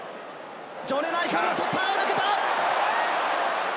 ジョネ・ナイカブラがとった抜けた。